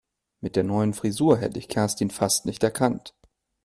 Mit der neuen Frisur hätte ich Kerstin fast nicht erkannt.